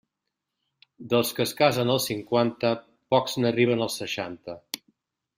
Dels que es casen als cinquanta, pocs n'arriben als seixanta.